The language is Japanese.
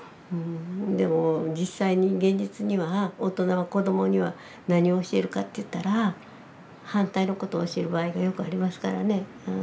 でも実際に現実には大人は子どもには何を教えるかといったら反対のことを教える場合がよくありますからね。